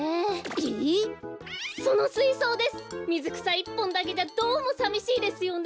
いっぽんだけじゃどうもさみしいですよね！